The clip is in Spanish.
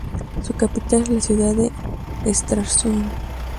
Su capital es la ciudad de Stralsund.